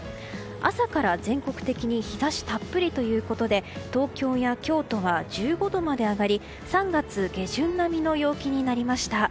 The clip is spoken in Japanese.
朝から全国的に日差したっぷりということで東京や京都は１５度まで上がり３月下旬並みの陽気になりました。